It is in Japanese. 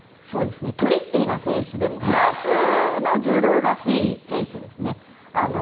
トリッキーな選手でフランスの柔道らしい選手です。